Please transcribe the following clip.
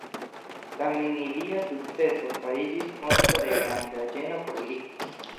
Tamen ilia sukceso fariĝis fonto de granda ĝeno por li.